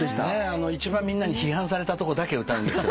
一番みんなに批判されたとこだけ歌うんですよ。